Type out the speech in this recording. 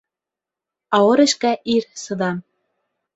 Ауыр эшкә ир сыҙам.